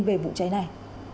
về vụ cháy này